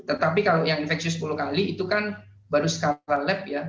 tetapi kalau yang infeksi sepuluh kali itu kan baru skala lab ya